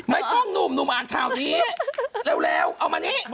ไม่ต้องนุมนุมอ่านครั้งนี้เร็วเอามานี้